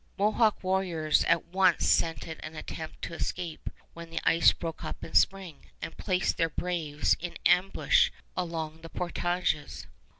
Mohawk warriors at once scented an attempt to escape when the ice broke up in spring, and placed their braves in ambush along the portages.